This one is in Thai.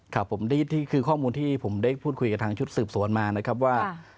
ครับผมนี่คือข้อมูลที่ผมได้พูดคุยกับทางชุดสืบสวนมานะครับว่า